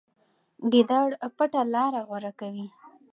ګیدړ پټه لاره غوره کوي.